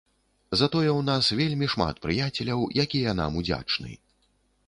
Затое ў нас вельмі шмат прыяцеляў, якія нам удзячны.